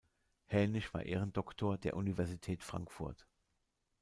Haenisch war Ehrendoktor der Universität Frankfurt.